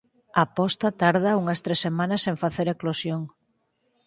A posta tarda unhas tres semanas en facer eclosión.